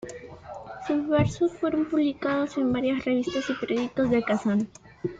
Sus versos fueron publicados en varias revistas y periódicos de Kazán.